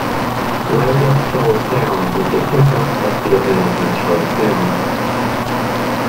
Light Up Charlestown is the kick-off of the event in Charlestown.